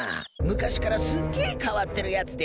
昔からすっげえ変わってるやつでな。